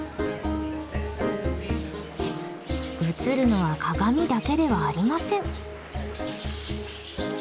映るのは鏡だけではありません。